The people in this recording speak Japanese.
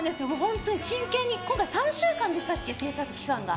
真剣に今回３週間でしたっけ制作期間が。